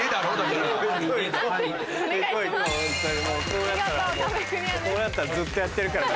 こうなったらずっとやってるから。